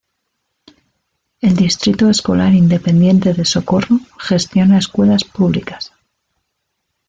El Distrito Escolar Independiente de Socorro gestiona escuelas públicas.